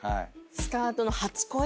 スタートの初恋